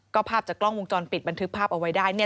ก็ภาพจากกล้องวงจรปิดบันทึกภาพเอาไว้ได้เนี่ย